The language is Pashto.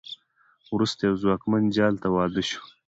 وروسته یوه ځواکمن جال ته واده شوه.